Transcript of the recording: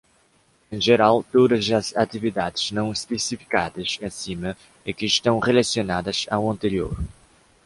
Em geral, todas as atividades não especificadas acima e que estão relacionadas ao anterior.